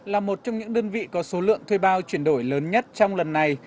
là một trong những đơn vị có số lượng thuê bao chuyển đổi lớn nhất trong lần này